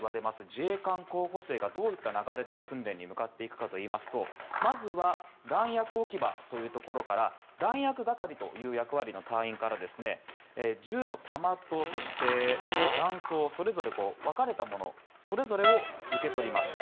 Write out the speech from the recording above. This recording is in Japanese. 自衛官候補生がどういった流れで訓練に向かっていくかというとまずは弾薬置き場から弾薬係という役割の隊員から銃の弾と弾倉が分かれたものそれぞれを受け取ります。